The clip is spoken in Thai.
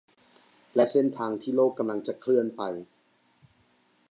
และเส้นทางที่โลกกำลังจะเคลื่อนไป